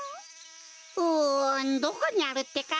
うんどこにあるってか？